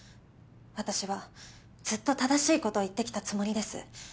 私はずっと正しいことを言ってきたつもりです。